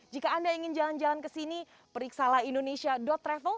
jika anda ingin jalan jalan ke sini periksalah indonesia com